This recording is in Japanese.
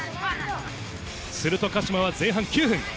すると鹿島は前半９分。